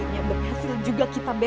dan tapi juga sekat suami